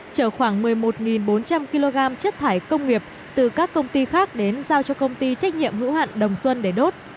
chở khoảng một mươi một bốn trăm linh kg chất thải công nghiệp từ các công ty khác đến giao cho công ty trách nhiệm hữu hạn đồng xuân để đốt